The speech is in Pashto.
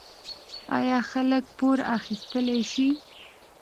آیا خلک پور اخیستلی شي؟